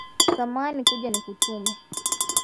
Samahani kuja nikutume